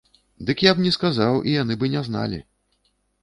Дык я б не сказаў, і яны бы не зналі.